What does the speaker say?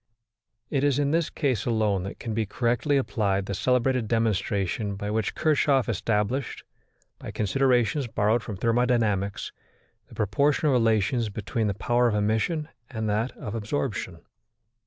It is in this case alone that can be correctly applied the celebrated demonstration by which Kirchhoff established, by considerations borrowed from thermodynamics, the proportional relations between the power of emission and that of absorption.